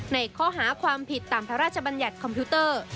ในข้อหาความผิดตามพระราชบัญญัติคอมพิวเตอร์